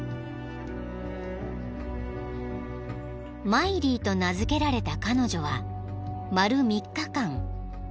［マイリーと名付けられた彼女は丸３日間眠った］